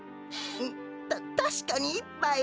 たたしかに１ぱい。